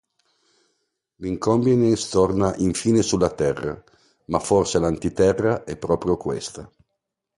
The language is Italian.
L'Inconvenience torna infine sulla Terra, ma forse l'Antiterra è proprio questa.